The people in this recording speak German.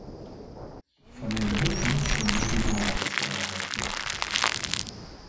Von den Hütten sind nur die Mauerreste erhalten.